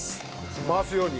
回すように。